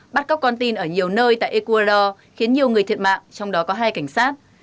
bắt cóc con tin ở nhiều nơi tại ecuador khiến nhiều người thiệt mạng trong đó có hai cảnh sát